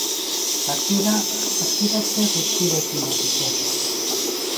Partida saskiratze gutxirekin hasi zen.